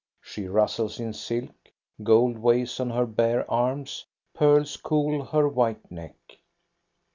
She rustles in silk, gold weighs on her bare arms, pearls cool her white neck.